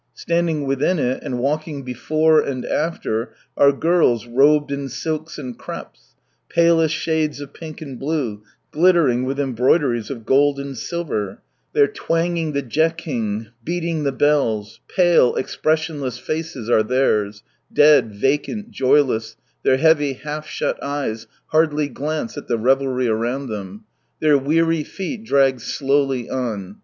Standing within it, and walking before and after, are girls robed in silks and crepes, palest shades of pink and blue, glittering with embroideries of gold and silver. They are twanging the Jeking, beating the bells. Pale, expressionless faces are theirs; dead, vacant, joyless, their heavy half shut eyes hardly glance at the revelry around them. Their weary feet drag slowly on.